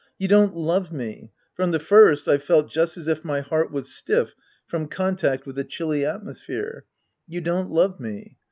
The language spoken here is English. You don't love me. From the first I've felt just as if my heart was stiff from contact with a chilly atmosphere. You don't love me.